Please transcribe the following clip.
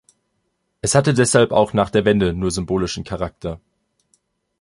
Es hatte deshalb auch nach der Wende nur symbolischen Charakter.